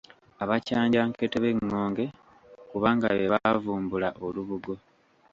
Abakyanjankete be b’Eŋŋonge kubanga be baavumbula olubugo.